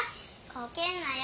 こけんなよ。